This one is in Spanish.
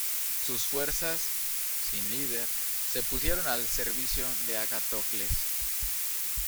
Sus fuerzas, sin líder, se pusieron al servicio de Agatocles.